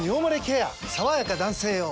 さわやか男性用」